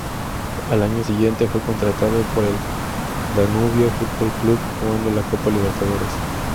Al año siguiente fue contratado por el Danubio Fútbol Club jugando la Copa Libertadores.